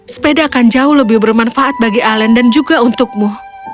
sepeda akan jauh lebih bermanfaat bagi alen dan juga untukmu